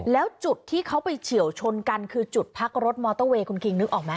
แล้วจุดที่เขาไปเฉียวชนกันคือจุดพักรถมอเตอร์เวย์คุณคิงนึกออกไหม